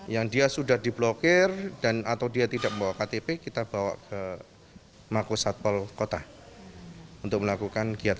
yang dia sudah di blokir atau dia tidak membawa ktp kita bawa ke makus satpol kota untuk melakukan kiatan